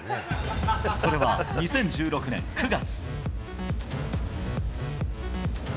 それは２０１６年９月。